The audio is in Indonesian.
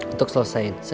untuk selesai cuaca